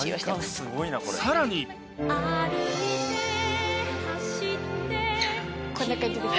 さらにこんな感じです。